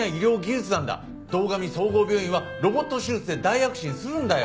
堂上総合病院はロボット手術で大躍進するんだよ。